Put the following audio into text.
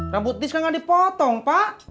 rambut tis kan gak dipotong pak